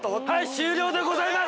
終了でございます！